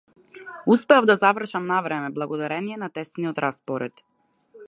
Успеав да завршам на време благодарение на тесниот распоред.